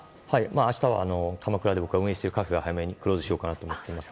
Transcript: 明日は鎌倉で僕が運営しているカフェは早めにクローズしようと思っています。